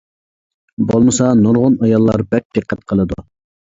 بولمىسا نۇرغۇن ئاياللار بەك دىققەت قىلىدۇ.